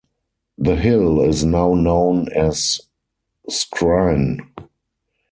The hill is now known as Skryne.